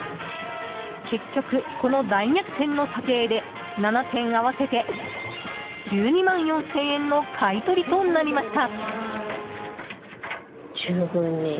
結局、この大逆転の査定で７点合わせて１２万４０００円の買い取りとなりました！